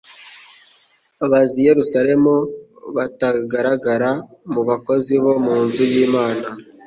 Baza i Yerusalemu batagaragara mu bakozi bo mu nzu y'Imana